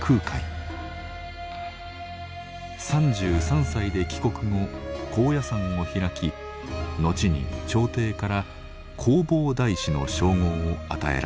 ３３歳で帰国後高野山を開き後に朝廷から弘法大師の称号を与えられました。